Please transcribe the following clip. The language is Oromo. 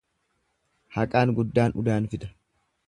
Haqaan guddaan udaan fida.